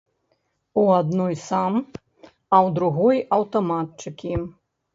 У адной сам, а ў другой аўтаматчыкі.